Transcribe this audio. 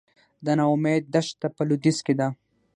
د نا امید دښته په لویدیځ کې ده